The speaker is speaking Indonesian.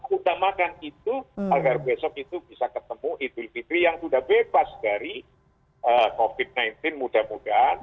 utamakan itu agar besok itu bisa ketemu idul fitri yang sudah bebas dari covid sembilan belas mudah mudahan